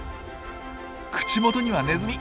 口元にはネズミ！